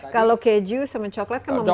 kalau keju sama coklat kan membutuhkan